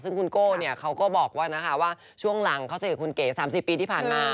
ซึ่งคุณโก้เขาก็บอกว่าช่วงหลังเขาจะอยู่กับคุณเก๋๓๐ปีที่ผ่านมา